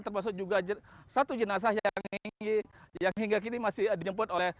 termasuk juga satu jenazah yang hingga kini masih dijemput oleh